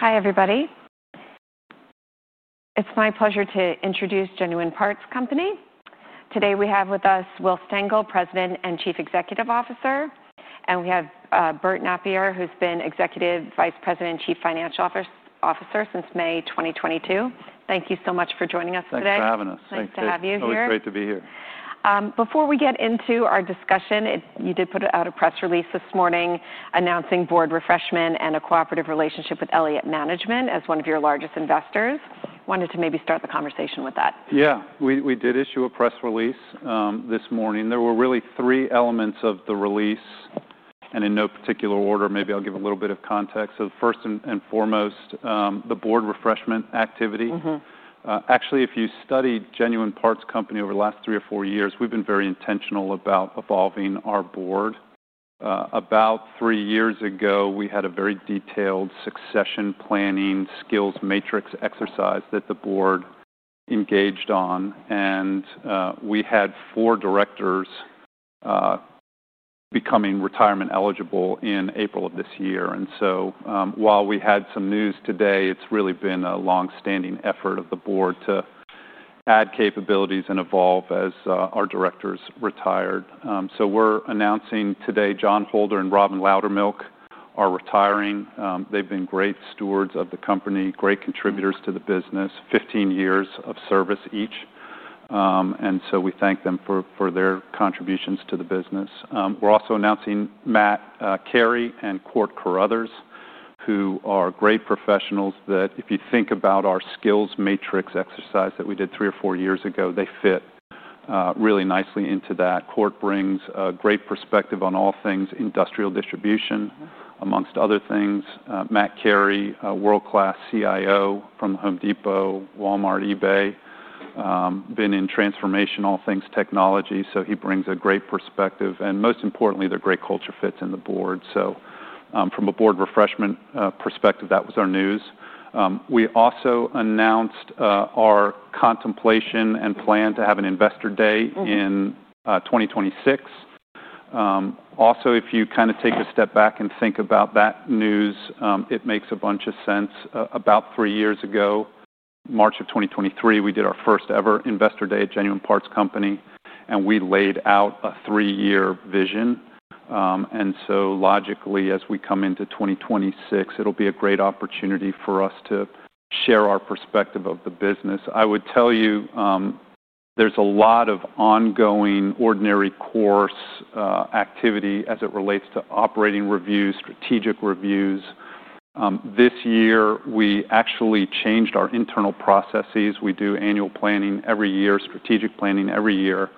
Hi, everybody. It's my pleasure to introduce Genuine Parts Company. Today, we have with us Will Stengel, President and Chief Executive Officer, and we have Bert Nappier, who's been Executive Vice President and Chief Financial Officer since May 2022. Thank you so much for joining us today. Thanks for having us. Nice to have you here. It's great to be here. Before we get into our discussion, you did put out a press release this morning announcing board refreshment and a cooperative relationship with Elliott Management as one of your largest investors. Wanted to maybe start the conversation with that. Yeah, we did issue a press release this morning. There were really three elements of the release, and in no particular order, maybe I'll give a little bit of context. So first and foremost, the board refreshment activity. Mm-hmm. Actually, if you studied Genuine Parts Company over the last three or four years, we've been very intentional about evolving our board. About three years ago, we had a very detailed succession planning skills matrix exercise that the board engaged on, and we had four directors becoming retirement eligible in April of this year, so while we had some news today, it's really been a long-standing effort of the board to add capabilities and evolve as our directors retired, so we're announcing today, John Holder and Robin Loudermilk are retiring. They've been great stewards of the company, great contributors to the business, 15 years of service each, and so we thank them for their contributions to the business. We're also announcing Matt Carey and Court Carruthers, who are great professionals, that if you think about our skills matrix exercise that we did three or four years ago, they fit really nicely into that. Court brings a great perspective on all things industrial distribution, amongst other things. Matt Carey, a world-class CIO from Home Depot, Walmart, eBay, been in transformational things, technology, so he brings a great perspective, and most importantly, they're great culture fits in the board. So, from a board refreshment perspective, that was our news. We also announced our contemplation and plan to have an Investor Day. Mm-hmm In 2026. Also, if you kinda take a step back and think about that news, it makes a bunch of sense. About three years ago, March of 2023, we did our first ever Investor Day at Genuine Parts Company, and we laid out a three-year vision. And so logically, as we come into 2026, it'll be a great opportunity for us to share our perspective of the business. I would tell you, there's a lot of ongoing ordinary course activity as it relates to operating reviews, strategic reviews. This year, we actually changed our internal processes. We do annual planning every year, strategic planning every year,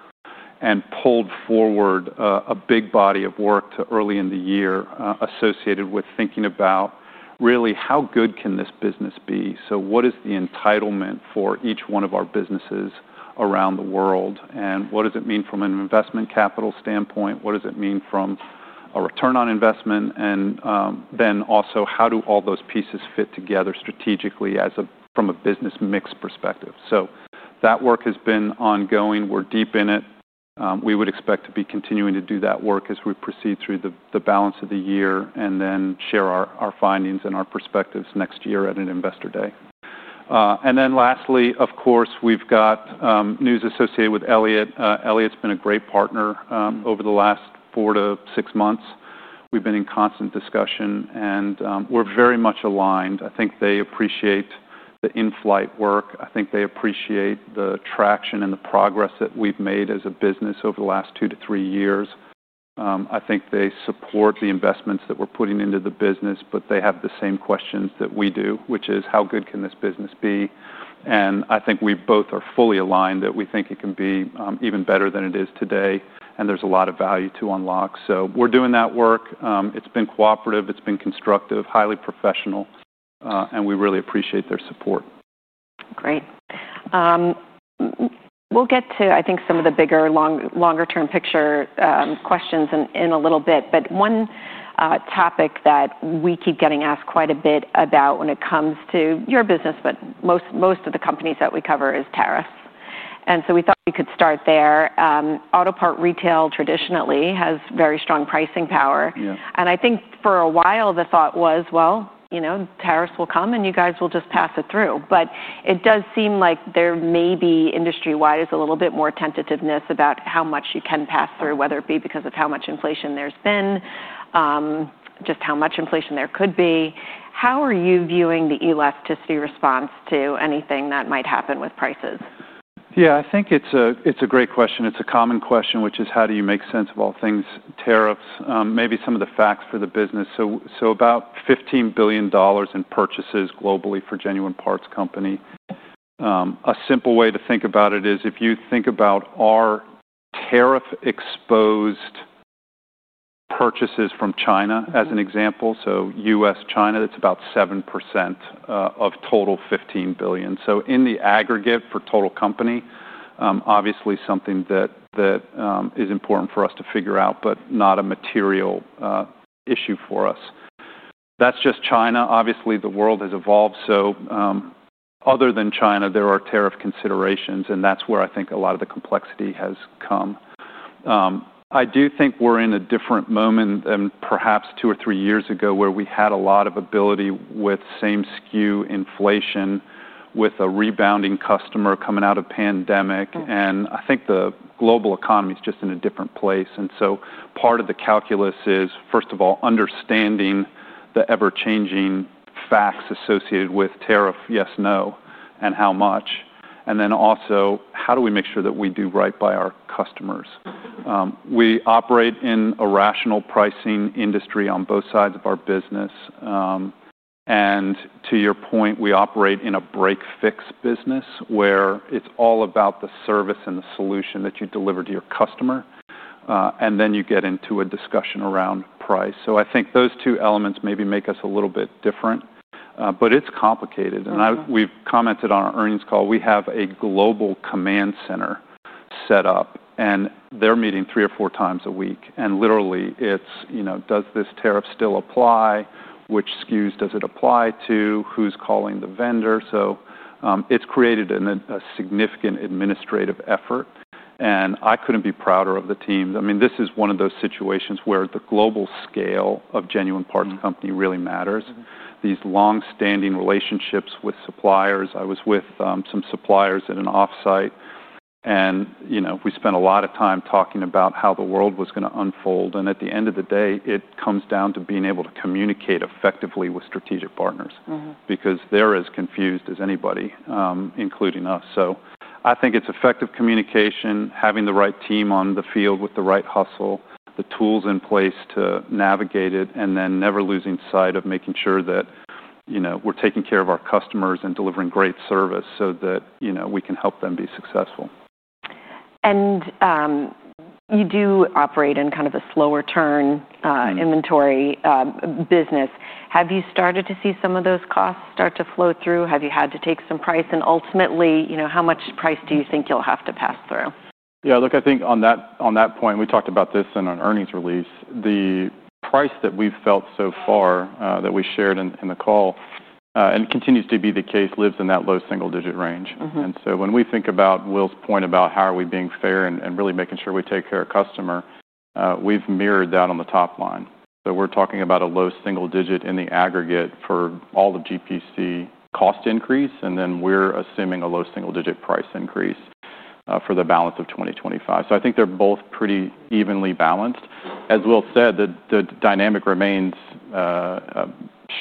and pulled forward a big body of work to early in the year associated with thinking about really, how good can this business be? So what is the entitlement for each one of our businesses around the world, and what does it mean from an investment capital standpoint? What does it mean from a return on investment? And then also, how do all those pieces fit together strategically as a, from a business mix perspective? So that work has been ongoing. We're deep in it. We would expect to be continuing to do that work as we proceed through the balance of the year and then share our findings and our perspectives next year at an Investor Day. And then lastly, of course, we've got news associated with Elliott. Elliott's been a great partner over the last four to six months. We've been in constant discussion, and we're very much aligned. I think they appreciate the in-flight work. I think they appreciate the traction and the progress that we've made as a business over the last two to three years. I think they support the investments that we're putting into the business, but they have the same questions that we do, which is: How good can this business be? And I think we both are fully aligned, that we think it can be, even better than it is today, and there's a lot of value to unlock. So we're doing that work. It's been cooperative, it's been constructive, highly professional, and we really appreciate their support. Great. We'll get to, I think, some of the bigger longer-term picture questions in a little bit, but one topic that we keep getting asked quite a bit about when it comes to your business, but most of the companies that we cover, is tariffs. And so we thought we could start there. Auto parts retail traditionally has very strong pricing power. Yeah. And I think for a while, the thought was, well, you know, tariffs will come, and you guys will just pass it through. But it does seem like there may be, industry-wide, is a little bit more tentativeness about how much you can pass through, whether it be because of how much inflation there's been, just how much inflation there could be. How are you viewing the elasticity response to anything that might happen with prices? Yeah, I think it's a great question. It's a common question, which is: How do you make sense of all things tariffs? Maybe some of the facts for the business. So about $15 billion in purchases globally for Genuine Parts Company. A simple way to think about it is if you think about our tariff-exposed purchases from China, as an example, so U.S., China, that's about 7% of total $15 billion. So in the aggregate for total company, obviously something that is important for us to figure out, but not a material issue for us. That's just China. Obviously, the world has evolved, so other than China, there are tariff considerations, and that's where I think a lot of the complexity has come. I do think we're in a different moment than perhaps two or three years ago, where we had a lot of ability with same-SKU inflation, with a rebounding customer coming out of pandemic. Mm-hmm. And I think the global economy is just in a different place. And so part of the calculus is, first of all, understanding the ever-changing facts associated with tariff: yes, no, and how much? And then also, how do we make sure that we do right by our customers? We operate in a rational pricing industry on both sides of our business. And to your point, we operate in a break/fix business, where it's all about the service and the solution that you deliver to your customer, and then you get into a discussion around price. So I think those two elements maybe make us a little bit different, but it's complicated. Mm-hmm. And we've commented on our earnings call. We have a global command center set up, and they're meeting three or four times a week. And literally, it's, you know, "Does this tariff still apply? Which SKUs does it apply to? Who's calling the vendor?" So, it's created a significant administrative effort, and I couldn't be prouder of the team. I mean, this is one of those situations where the global scale of Genuine Parts Company really matters. These long-standing relationships with suppliers. I was with, some suppliers at an off-site, and, you know, we spent a lot of time talking about how the world was gonna unfold, and at the end of the day, it comes down to being able to communicate effectively with strategic partners. Mm-hmm. Because they're as confused as anybody, including us. So I think it's effective communication, having the right team on the field with the right hustle, the tools in place to navigate it, and then never losing sight of making sure that, you know, we're taking care of our customers and delivering great service so that, you know, we can help them be successful. You do operate in kind of a slower turn, inventory, business. Have you started to see some of those costs start to flow through? Have you had to take some price, and ultimately, you know, how much price do you think you'll have to pass through? Yeah, look, I think on that, on that point, we talked about this in our earnings release. The pricing that we've felt so far, that we shared in, in the call, and continues to be the case, lives in that low single-digit range. Mm-hmm. And so when we think about Will's point about how are we being fair and really making sure we take care of customer, we've mirrored that on the top line. So we're talking about a low single digit in the aggregate for all of GPC cost increase, and then we're assuming a low single-digit price increase for the balance of 2025. So I think they're both pretty evenly balanced. As Will said, the dynamic remains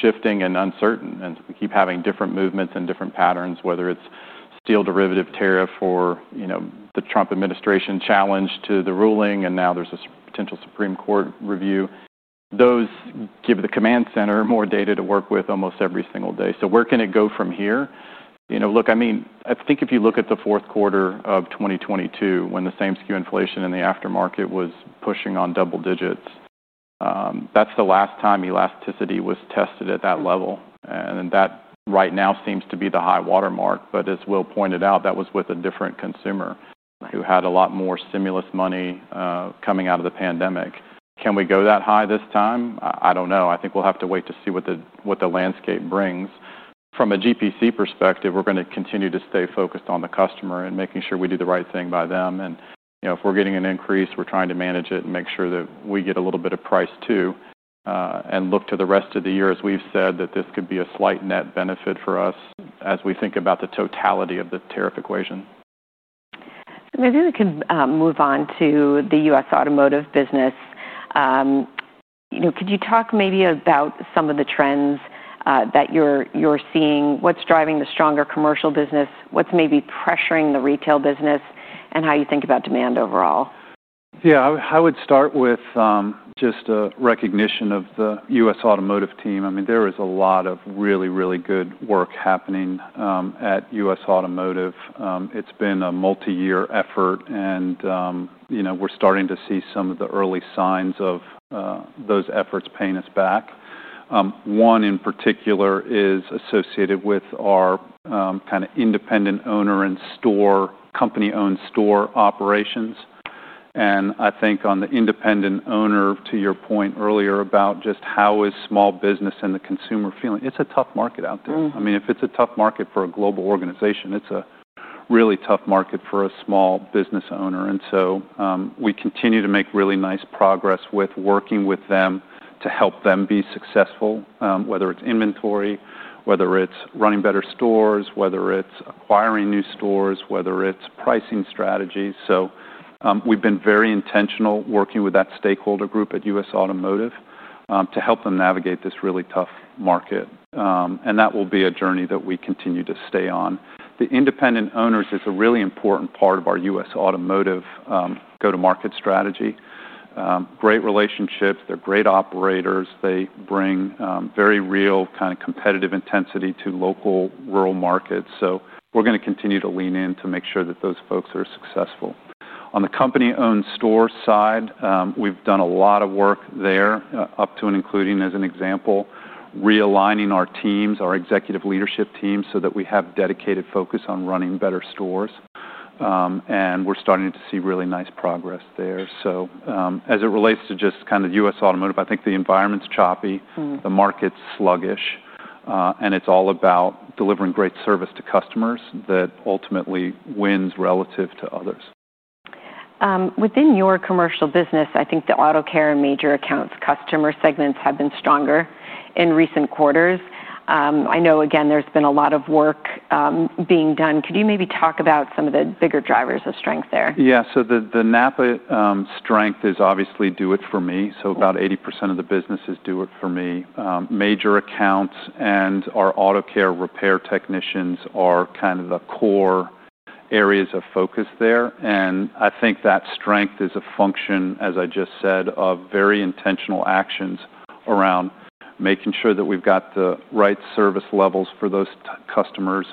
shifting and uncertain, and we keep having different movements and different patterns, whether it's steel derivative tariff or, you know, the Trump administration challenge to the ruling, and now there's a potential Supreme Court review. Those give the command center more data to work with almost every single day. So where can it go from here? You know, look, I mean, I think if you look at the fourth quarter of 2022, when the same-SKU inflation in the aftermarket was pushing on double digits, that's the last time elasticity was tested at that level, and that right now seems to be the high watermark. But as Will pointed out, that was with a different consumer. Right. Who had a lot more stimulus money, coming out of the pandemic. Can we go that high this time? I don't know. I think we'll have to wait to see what the landscape brings. From a GPC perspective, we're gonna continue to stay focused on the customer and making sure we do the right thing by them. And, you know, if we're getting an increase, we're trying to manage it and make sure that we get a little bit of price, too, and look to the rest of the year, as we've said, that this could be a slight net benefit for us as we think about the totality of the tariff equation. Maybe we can move on to the U.S. Automotive business. You know, could you talk maybe about some of the trends that you're seeing? What's driving the stronger commercial business, what's maybe pressuring the retail business, and how you think about demand overall? Yeah, I, I would start with just a recognition of the U.S. Automotive team. I mean, there is a lot of really, really good work happening at U.S. Automotive. It's been a multi-year effort, and you know, we're starting to see some of the early signs of those efforts paying us back. One, in particular, is associated with our kind of independent owner and store-company-owned store operations. I think on the independent owner, to your point earlier, about just how is small business and the consumer feeling, it's a tough market out there. Mm. I mean, if it's a tough market for a global organization, it's a really tough market for a small business owner. And so, we continue to make really nice progress with working with them to help them be successful, whether it's inventory, whether it's running better stores, whether it's acquiring new stores, whether it's pricing strategies. So, we've been very intentional working with that stakeholder group at U.S. Automotive, to help them navigate this really tough market, and that will be a journey that we continue to stay on. The independent owners is a really important part of our U.S. Automotive, go-to-market strategy. Great relationships, they're great operators, they bring, very real kind of competitive intensity to local rural markets, so we're gonna continue to lean in to make sure that those folks are successful. On the company-owned store side, we've done a lot of work there, up to and including, as an example, realigning our teams, our executive leadership teams, so that we have dedicated focus on running better stores. and we're starting to see really nice progress there. So, as it relates to just kind of U.S. Automotive, I think the environment's choppy. Mm. The market's sluggish, and it's all about delivering great service to customers that ultimately wins relative to others. Within your commercial business, I think the Auto Care and major accounts customer segments have been stronger in recent quarters. I know again, there's been a lot of work being done. Could you maybe talk about some of the bigger drivers of strength there? Yeah. So the NAPA strength is obviously Do It For Me, so about 80% of the business is Do It For Me. Major accounts and our Auto Care Repair technicians are kind of the core areas of focus there, and I think that strength is a function, as I just said, of very intentional actions around making sure that we've got the right service levels for those customers,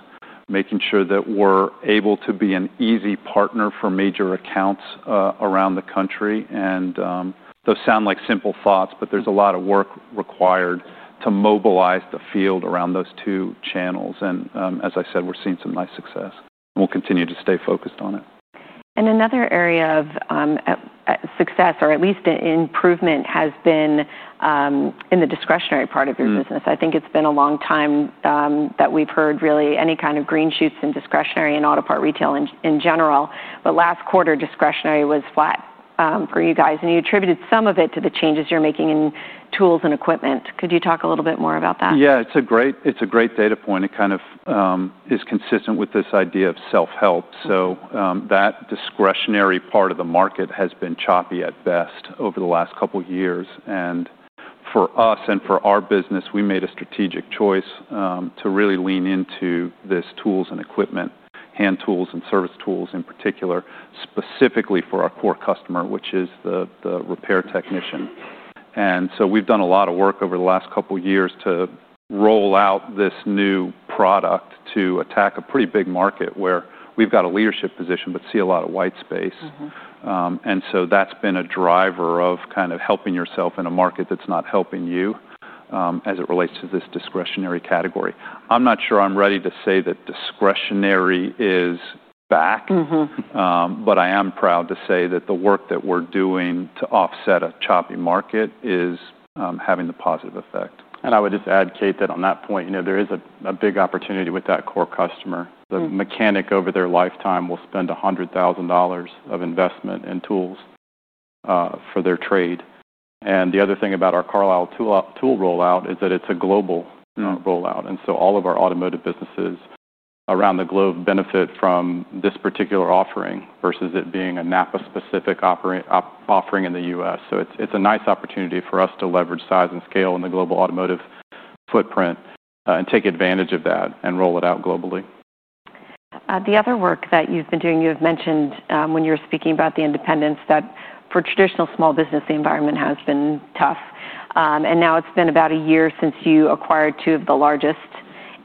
making sure that we're able to be an easy partner for major accounts around the country. And those sound like simple thoughts, but there's a lot of work required to mobilize the field around those two channels, and as I said, we're seeing some nice success, and we'll continue to stay focused on it. And another area of success or at least improvement has been in the discretionary part of your business. Mm. I think it's been a long time that we've heard really any kind of green shoots in discretionary and auto part retail in general, but last quarter, discretionary was flat for you guys, and you attributed some of it to the changes you're making in tools and equipment. Could you talk a little bit more about that? Yeah, it's a great, it's a great data point. It kind of is consistent with this idea of self-help. So, that discretionary part of the market has been choppy at best over the last couple of years. And for us and for our business, we made a strategic choice to really lean into this tools and equipment, hand tools and service tools in particular, specifically for our core customer, which is the repair technician. And so we've done a lot of work over the last couple of years to roll out this new product to attack a pretty big market where we've got a leadership position, but see a lot of white space. Mm-hmm. And so that's been a driver of kind of helping yourself in a market that's not helping you, as it relates to this discretionary category. I'm not sure I'm ready to say that discretionary is back. Mm-hmm. But I am proud to say that the work that we're doing to offset a choppy market is having the positive effect. And I would just add, Kate, that on that point, you know, there is a big opportunity with that core customer. Mm. The mechanic over their lifetime will spend a hundred thousand dollars of investment in tools for their trade. The other thing about our Carlyle Tools rollout is that it's a global rollout, and so all of our Automotive businesses around the globe benefit from this particular offering versus it being a NAPA-specific operational offering in the U.S. It's a nice opportunity for us to leverage size and scale in the global automotive footprint and take advantage of that and roll it out globally. The other work that you've been doing, you have mentioned, when you were speaking about the independents, that for traditional small business, the environment has been tough, and now it's been about a year since you acquired two of the largest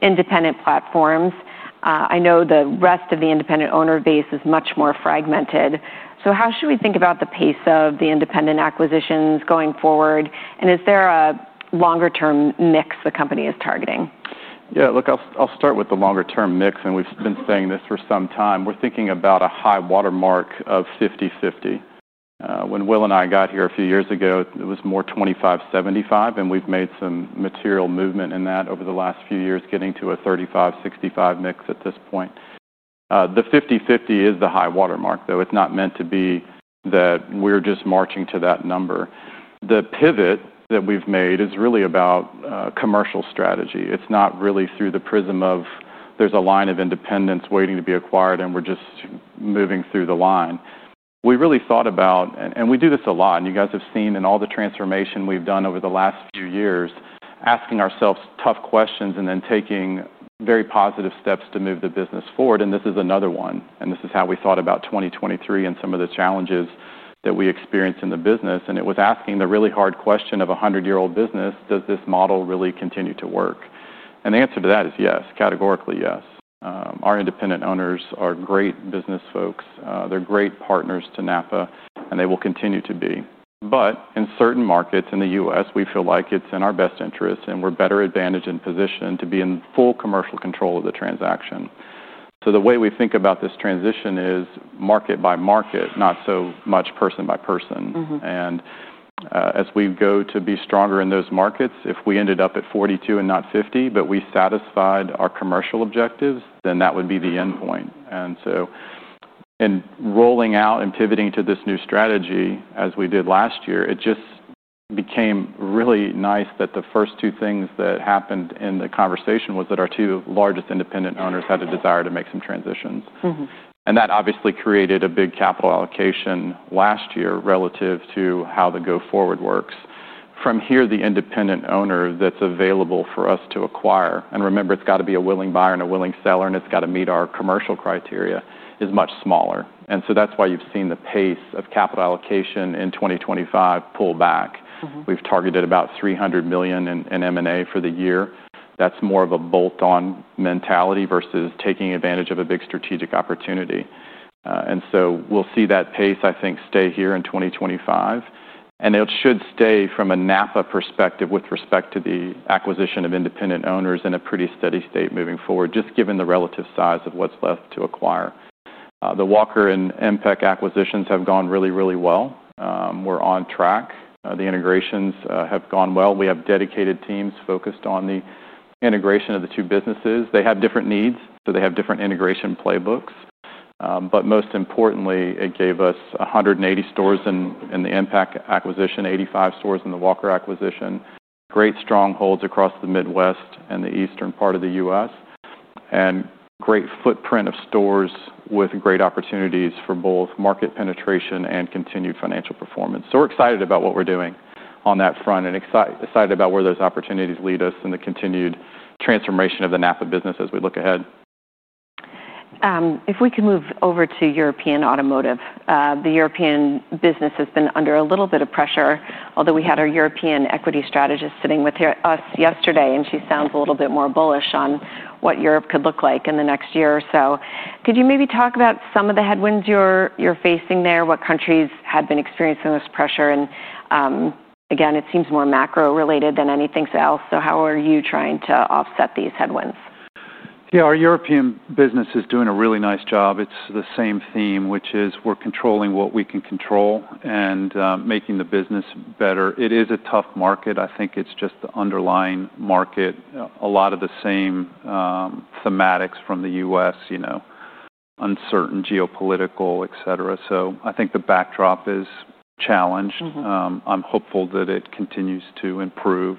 independent platforms. I know the rest of the independent owner base is much more fragmented, so how should we think about the pace of the independent acquisitions going forward, and is there a longer-term mix the company is targeting? Yeah, look, I'll, I'll start with the longer-term mix, and we've been saying this for some time. We're thinking about a high watermark of 50/50. When Will and I got here a few years ago, it was more 25/75, and we've made some material movement in that over the last few years, getting to a 35/65 mix at this point. The 50/50 is the high watermark, though it's not meant to be that we're just marching to that number. The pivot that we've made is really about commercial strategy. It's not really through the prism of, there's a line of independents waiting to be acquired, and we're just moving through the line. We really thought about. And we do this a lot, and you guys have seen in all the transformation we've done over the last few years, asking ourselves tough questions and then taking very positive steps to move the business forward, and this is another one. And this is how we thought about 2023 and some of the challenges that we experienced in the business, and it was asking the really hard question of a hundred-year-old business: Does this model really continue to work? And the answer to that is yes, categorically yes. Our independent owners are great business folks. They're great partners to NAPA, and they will continue to be. But in certain markets in the U.S., we feel like it's in our best interest, and we're better advantaged and positioned to be in full commercial control of the transaction. The way we think about this transition is market by market, not so much person by person. Mm-hmm. And, as we go to be stronger in those markets, if we ended up at 42 and not 50, but we satisfied our commercial objectives, then that would be the endpoint. And so, rolling out and pivoting to this new strategy, as we did last year, it just became really nice that the first two things that happened in the conversation was that our two largest independent owners had a desire to make some transitions. Mm-hmm. And that obviously created a big capital allocation last year relative to how the go-forward works. From here, the independent owner that's available for us to acquire, and remember, it's got to be a willing buyer and a willing seller, and it's got to meet our commercial criteria, is much smaller. And so that's why you've seen the pace of capital allocation in 2025 pull back. We've targeted about three hundred million in M&A for the year. That's more of a bolt-on mentality versus taking advantage of a big strategic opportunity. And so we'll see that pace, I think, stay here in 2025, and it should stay from a NAPA perspective with respect to the acquisition of independent owners in a pretty steady state moving forward, just given the relative size of what's left to acquire. The Walker and MPEC acquisitions have gone really, really well. We're on track. The integrations have gone well. We have dedicated teams focused on the integration of the two businesses. They have different needs, so they have different integration playbooks. But most importantly, it gave us one hundred and eighty stores in the MPEC acquisition, 85 stores in the Walker acquisition, great strongholds across the Midwest and the Eastern part of the U.S., and great footprint of stores with great opportunities for both market penetration and continued financial performance. So we're excited about what we're doing on that front, and excited about where those opportunities lead us in the continued transformation of the NAPA business as we look ahead. If we can move over to European automotive. The European business has been under a little bit of pressure, although we had our European equity strategist sitting with us yesterday, and she sounds a little bit more bullish on what Europe could look like in the next year or so. Could you maybe talk about some of the headwinds you're facing there? What countries have been experiencing this pressure? And again, it seems more macro-related than anything else. So how are you trying to offset these headwinds? Yeah, our European business is doing a really nice job. It's the same theme, which is we're controlling what we can control and making the business better. It is a tough market. I think it's just the underlying market, a lot of the same thematics from the U.S., you know, uncertain geopolitical, et cetera. So I think the backdrop is challenged. Mm-hmm. I'm hopeful that it continues to improve.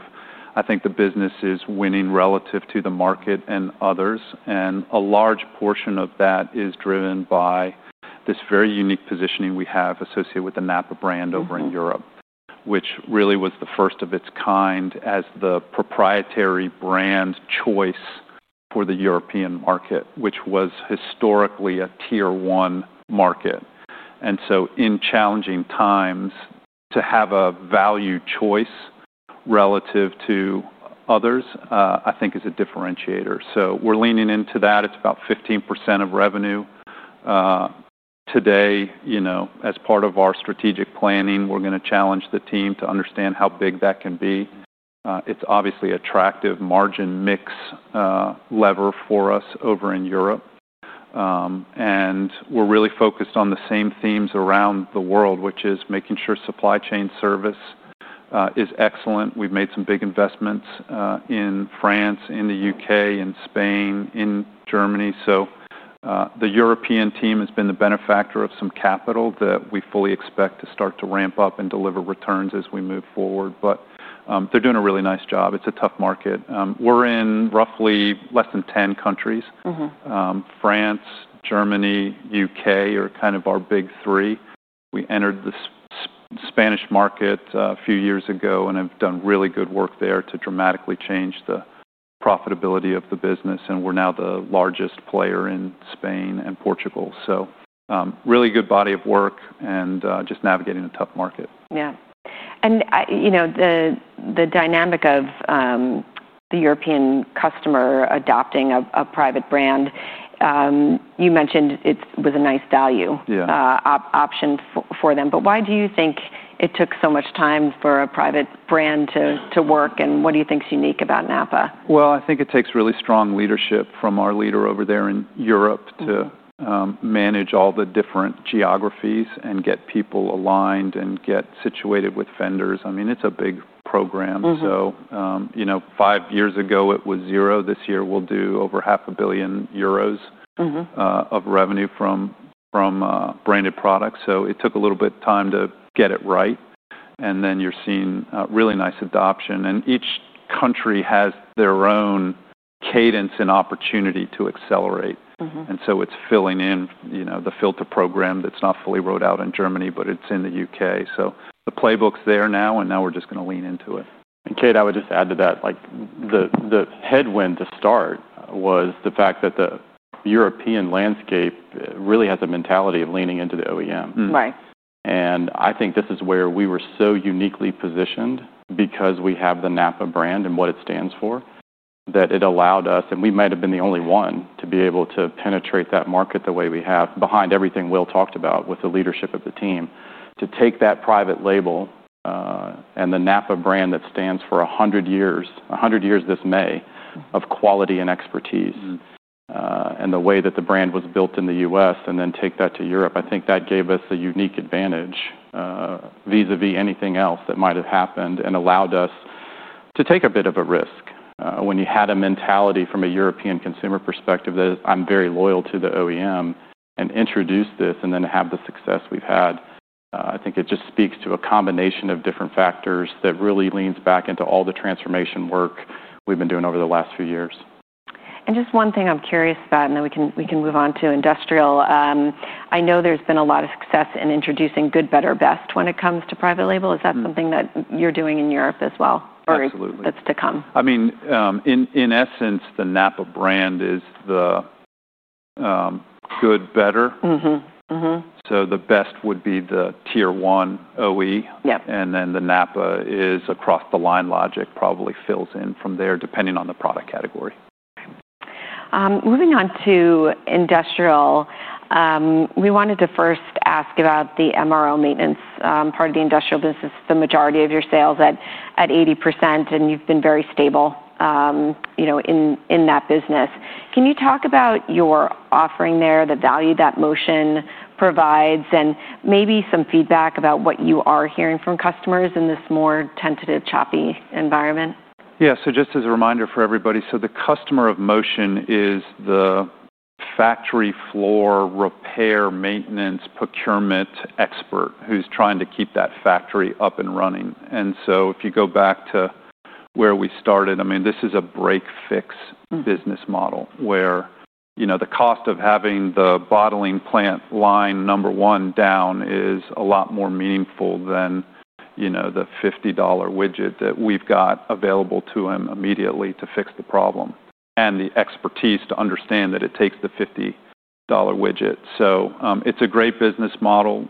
I think the business is winning relative to the market and others, and a large portion of that is driven by this very unique positioning we have associated with the NAPA brand over in Europe, which really was the first of its kind as the proprietary brand choice for the European market, which was historically a Tier 1 market. And so in challenging times, to have a value choice relative to others, I think is a differentiator. So we're leaning into that. It's about 15% of revenue. Today, you know, as part of our strategic planning, we're gonna challenge the team to understand how big that can be. It's obviously attractive margin mix, lever for us over in Europe. And we're really focused on the same themes around the world, which is making sure supply chain service is excellent. We've made some big investments in France, in the U.K., in Spain, in Germany. The European team has been the beneficiary of some capital that we fully expect to start to ramp up and deliver returns as we move forward. They're doing a really nice job. It's a tough market. We're in roughly less than 10 countries. Mm-hmm. France, Germany, U.K., are kind of our big three. We entered the Spanish market a few years ago and have done really good work there to dramatically change the profitability of the business, and we're now the largest player in Spain and Portugal. Really good body of work and just navigating a tough market. Yeah. And you know, the dynamic of the European customer adopting a private brand, you mentioned it was a nice value. Yeah. Option for them. But why do you think it took so much time for a private brand to work, and what do you think is unique about NAPA? I think it takes really strong leadership from our leader over there in Europe. Mm-hmm To manage all the different geographies and get people aligned and get situated with vendors. I mean, it's a big program. Mm-hmm. You know, five years ago, it was zero. This year, we'll do over 500 million euros. Mm-hmm Of revenue from branded products. So it took a little bit of time to get it right, and then you're seeing really nice adoption. And each country has their own cadence and opportunity to accelerate. Mm-hmm. And so it's filling in, you know, the filter program that's not fully rolled out in Germany, but it's in the U.K. So the playbook's there now, and now we're just gonna lean into it. Kate, I would just add to that, like, the headwind to start was the fact that the European landscape really has a mentality of leaning into the OEM. Right. I think this is where we were so uniquely positioned because we have the NAPA brand and what it stands for, that it allowed us, and we might have been the only one, to be able to penetrate that market the way we have, behind everything Will talked about with the leadership of the team. To take that private label, and the NAPA brand that stands for a hundred years, a hundred years this May, of quality and expertise. Mm-hmm. And the way that the brand was built in the U.S., and then take that to Europe, I think that gave us a unique advantage, vis-à-vis anything else that might have happened, and allowed us to take a bit of a risk. When you had a mentality from a European consumer perspective that is, "I'm very loyal to the OEM," and introduce this, and then have the success we've had, I think it just speaks to a combination of different factors that really leans back into all the transformation work we've been doing over the last few years. Just one thing I'm curious about, and then we can move on to industrial. I know there's been a lot of success in introducing good, better, best when it comes to private label. Mm-hmm. Is that something that you're doing in Europe as well? Or that's to come. I mean, in essence, the NAPA brand is the good, better. Mm-hmm. Mm-hmm. The best would be the Tier 1 OE. Yep. And then the NAPA is across-the-line logic, probably fills in from there, depending on the product category. Moving on to industrial, we wanted to first ask about the MRO maintenance part of the industrial business, the majority of your sales at 80%, and you've been very stable, you know, in that business. Can you talk about your offering there, the value that Motion provides, and maybe some feedback about what you are hearing from customers in this more tentative, choppy environment? Yeah. So just as a reminder for everybody, the customer of Motion is the factory floor repair, maintenance, procurement expert who's trying to keep that factory up and running. And so if you go back to where we started, I mean, this is a break-fix business model, where, you know, the cost of having the bottling plant line number one down is a lot more meaningful than, you know, the $50 widget that we've got available to him immediately to fix the problem, and the expertise to understand that it takes the $50 widget. So, it's a great business model.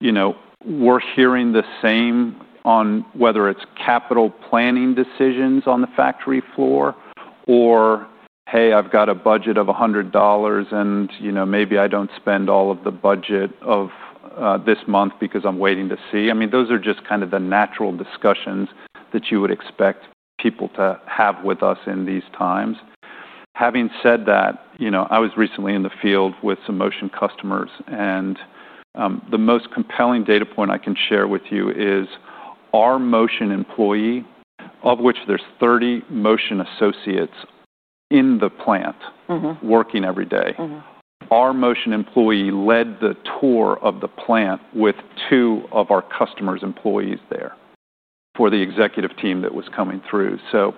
You know, we're hearing the same on whether it's capital planning decisions on the factory floor or, "Hey, I've got a budget of $100, and, you know, maybe I don't spend all of the budget of this month because I'm waiting to see." I mean, those are just kind of the natural discussions that you would expect people to have with us in these times. Having said that, you know, I was recently in the field with some Motion customers, and the most compelling data point I can share with you is our Motion employee, of which there's 30 Motion associates in the plant. Mm-hmm. Working every day. Mm-hmm. Our Motion employee led the tour of the plant with two of our customer's employees there for the executive team that was coming through. So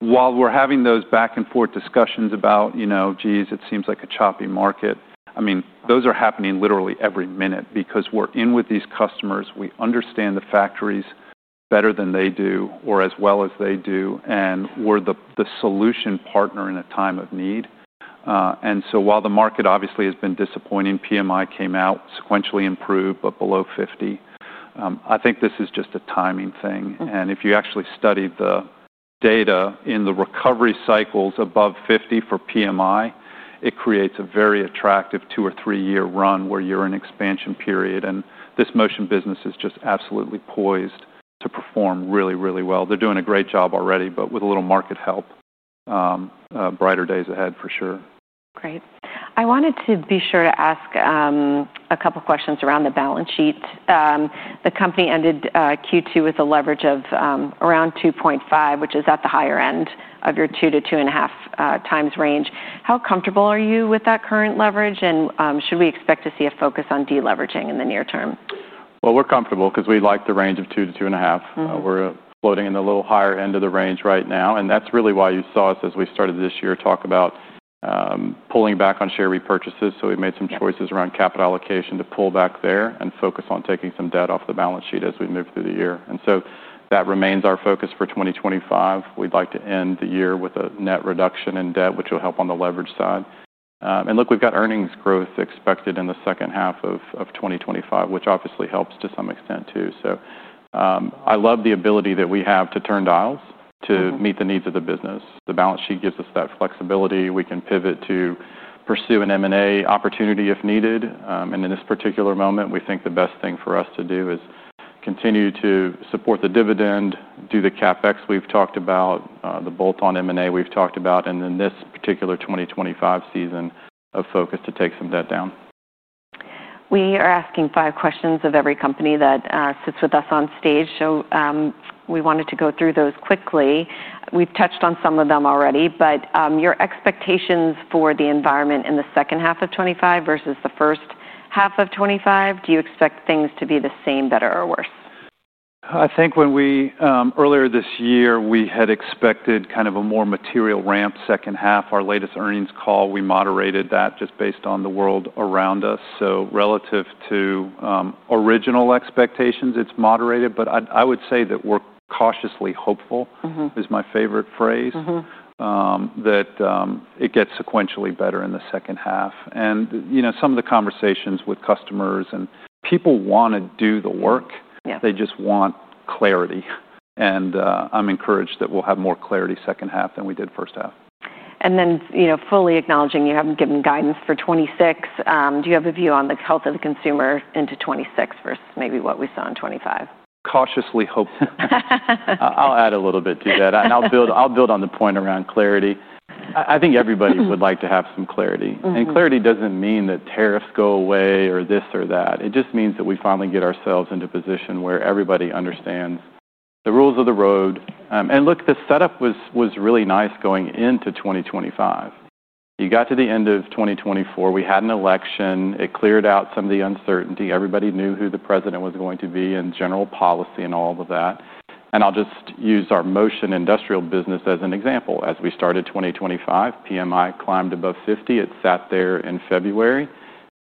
while we're having those back-and-forth discussions about, you know, geez, it seems like a choppy market, I mean, those are happening literally every minute because we're in with these customers, we understand the factories better than they do or as well as they do, and we're the, the solution partner in a time of need. And so while the market obviously has been disappointing, PMI came out sequentially improved, but below 50, I think this is just a timing thing. Mm-hmm. If you actually studied the data in the recovery cycles above 50 for PMI, it creates a very attractive two or three-year run where you're in expansion period, and this Motion business is just absolutely poised to perform really, really well. They're doing a great job already, but with a little market help, brighter days ahead for sure. Great. I wanted to be sure to ask a couple questions around the balance sheet. The company ended Q2 with a leverage of around 2.5x, which is at the higher end of your 2x-2.5x range. How comfortable are you with that current leverage? And should we expect to see a focus on deleveraging in the near term? We're comfortable because we like the range of 2x-2.5x. Mm-hmm. We're floating in a little higher end of the range right now, and that's really why you saw us, as we started this year, talk about, pulling back on share repurchases. So we've made some choices around capital allocation to pull back there and focus on taking some debt off the balance sheet as we move through the year, and so that remains our focus for 2025. We'd like to end the year with a net reduction in debt, which will help on the leverage side. And look, we've got earnings growth expected in the second half of 2025, which obviously helps to some extent, too, so I love the ability that we have to turn dials to meet the needs of the business. The balance sheet gives us that flexibility. We can pivot to pursue an M&A opportunity if needed, and in this particular moment, we think the best thing for us to do is continue to support the dividend, do the CapEx we've talked about, the bolt-on M&A we've talked about, and in this particular 2025 season of focus, to take some debt down. We are asking five questions of every company that sits with us on stage. So, we wanted to go through those quickly. We've touched on some of them already, but your expectations for the environment in the second half of 2025 versus the first half of 2025, do you expect things to be the same, better, or worse? I think when we, earlier this year, we had expected kind of a more material ramp second half. Our latest earnings call, we moderated that just based on the world around us. So relative to, original expectations, it's moderated, but I would say that we're cautiously hopeful. Mm-hmm. Is my favorite phrase. Mm-hmm. It gets sequentially better in the second half, and you know, some of the conversations with customers, and people want to do the work. Yeah They just want clarity. And, I'm encouraged that we'll have more clarity second half than we did first half. You know, fully acknowledging you haven't given guidance for 2026, do you have a view on the health of the consumer into 2026 versus maybe what we saw in 2025? Cautiously hopeful. I'll add a little bit to that. And I'll build on the point around clarity. I think everybody would like to have some clarity. Mm-hmm. And clarity doesn't mean that tariffs go away or this or that. It just means that we finally get ourselves into a position where everybody understands the rules of the road. And look, the setup was really nice going into 2025. You got to the end of 2024, we had an election. It cleared out some of the uncertainty. Everybody knew who the president was going to be, and general policy, and all of that. And I'll just use our Motion industrial business as an example. As we started 2025, PMI climbed above 50. It sat there in February,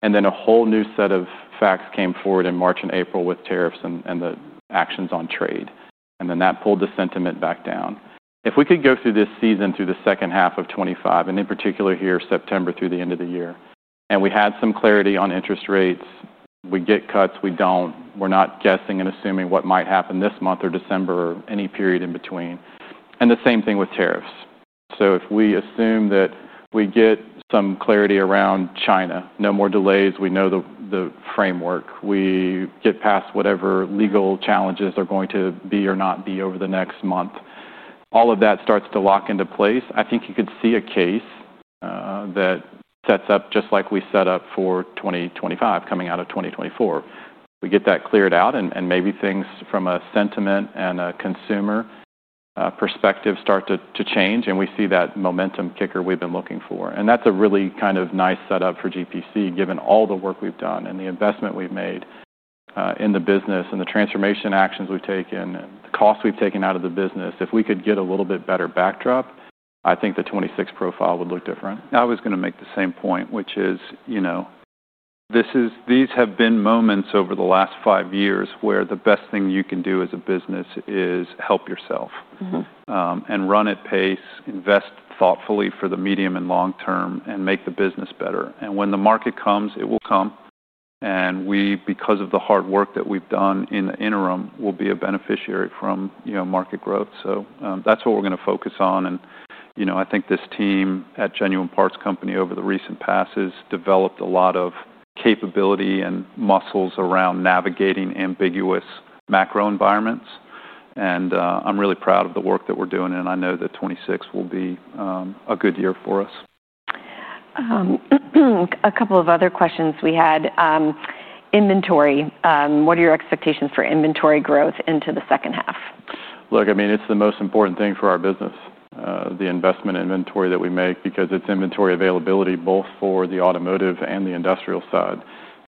and then a whole new set of facts came forward in March and April with tariffs and the actions on trade, and then that pulled the sentiment back down. If we could go through this season, through the second half of 2025, and in particular here, September through the end of the year, and we had some clarity on interest rates, we get cuts, we don't. We're not guessing and assuming what might happen this month or December or any period in between, and the same thing with tariffs. So if we assume that we get some clarity around China, no more delays, we know the framework. We get past whatever legal challenges are going to be or not be over the next month, all of that starts to lock into place. I think you could see a case that sets up just like we set up for 2025 coming out of 2024. We get that cleared out, and maybe things from a sentiment and a consumer perspective start to change, and we see that momentum kicker we've been looking for. And that's a really kind of nice setup for GPC, given all the work we've done and the investment we've made in the business and the transformation actions we've taken and the costs we've taken out of the business. If we could get a little bit better backdrop, I think the 2026 profile would look different. I was gonna make the same point, which is, you know, these have been moments over the last five years where the best thing you can do as a business is help yourself. Mm-hmm. And run at pace, invest thoughtfully for the medium and long term, and make the business better. And when the market comes, it will come, and we, because of the hard work that we've done in the interim, will be a beneficiary from, you know, market growth. So, that's what we're gonna focus on, and, you know, I think this team at Genuine Parts Company over the recent past has developed a lot of capability and muscles around navigating ambiguous macro environments, and, I'm really proud of the work that we're doing, and I know that 2026 will be a good year for us. A couple of other questions we had. Inventory, what are your expectations for inventory growth into the second half? Look, I mean, it's the most important thing for our business, the investment inventory that we make, because it's inventory availability both for the automotive and the industrial side.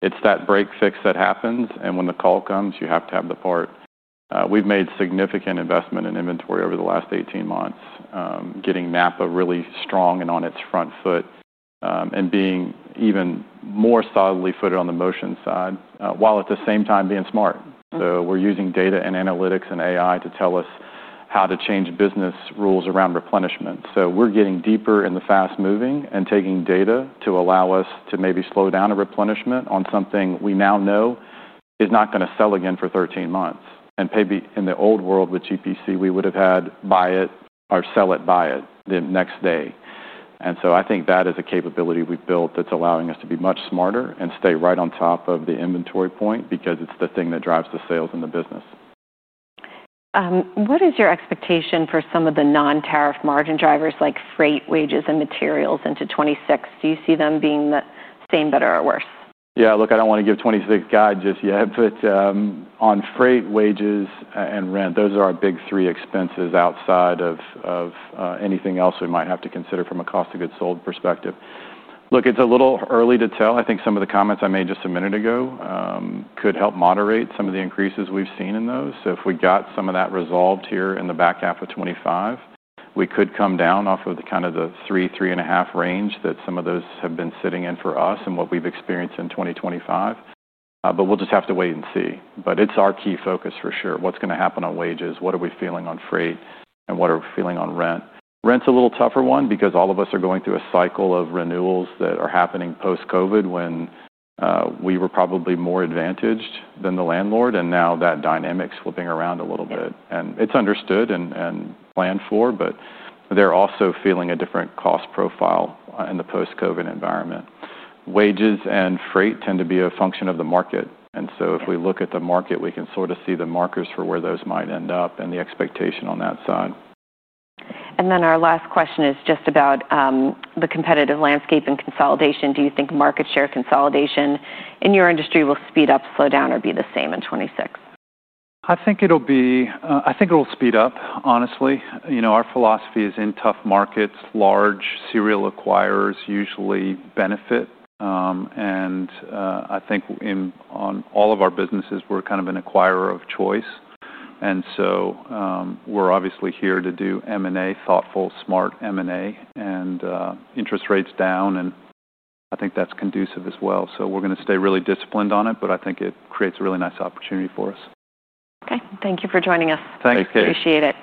It's that break-fix that happens, and when the call comes, you have to have the part. We've made significant investment in inventory over the last 18 months, getting NAPA really strong and on its front foot, and being even more solidly footed on the Motion side, while at the same time being smart. Mm-hmm. So we're using data and analytics and AI to tell us how to change business rules around replenishment. So we're getting deeper in the fast-moving and taking data to allow us to maybe slow down a replenishment on something we now know is not gonna sell again for thirteen months. And maybe in the old world with GPC, we would have had buy it or sell it, buy it the next day. And so I think that is a capability we've built that's allowing us to be much smarter and stay right on top of the inventory point because it's the thing that drives the sales in the business. What is your expectation for some of the non-tariff margin drivers, like freight, wages, and materials into 2026? Do you see them being the same, better, or worse? Yeah, look, I don't wanna give 2026 guidance just yet, but on freight, wages, and rent, those are our big three expenses outside of anything else we might have to consider from a cost of goods sold perspective. Look, it's a little early to tell. I think some of the comments I made just a minute ago could help moderate some of the increases we've seen in those. So if we got some of that resolved here in the back half of 2025, we could come down off of the kind of 3%-3.5% range that some of those have been sitting in for us and what we've experienced in 2025, but we'll just have to wait and see. But it's our key focus for sure. What's gonna happen on wages? What are we feeling on freight, and what are we feeling on rent? Rent's a little tougher one because all of us are going through a cycle of renewals that are happening post-COVID, when we were probably more advantaged than the landlord, and now that dynamic's flipping around a little bit. Yeah. And it's understood and planned for, but they're also feeling a different cost profile in the post-COVID environment. Wages and freight tend to be a function of the market. Yeah. And so if we look at the market, we can sort of see the markers for where those might end up and the expectation on that side. And then our last question is just about the competitive landscape and consolidation. Do you think market share consolidation in your industry will speed up, slow down, or be the same in 2026? I think it'll speed up, honestly. You know, our philosophy is, in tough markets, large serial acquirers usually benefit. I think in, on all of our businesses, we're kind of an acquirer of choice, and so, we're obviously here to do M&A, thoughtful, smart M&A. Interest rates down, and I think that's conducive as well. We're gonna stay really disciplined on it, but I think it creates a really nice opportunity for us. Okay. Thank you for joining us. Thanks, Kate. Appreciate it.